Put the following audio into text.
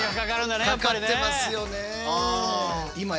かかってますよね。